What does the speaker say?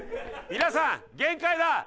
皆さん限界だ！